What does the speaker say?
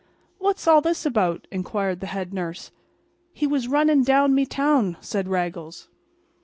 "What's all this about?" inquired the head nurse. "He was runnin' down me town," said Raggles.